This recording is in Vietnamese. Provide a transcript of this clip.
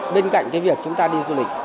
bên cạnh cái việc chúng ta đi du lịch